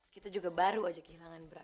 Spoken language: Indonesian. kita juga baru aja kehilangan berat